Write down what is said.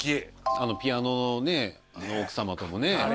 あのピアノね奥様ともね。